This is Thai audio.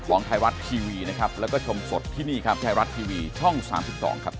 ต้องเคาะแล้วไง